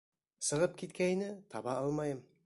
Сығып киткәйне, таба алмайым.